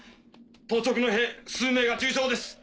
当直の兵数名が重傷です。